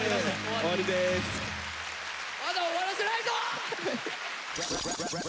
まだ終わらせないぞ！